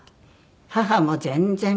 母も全然。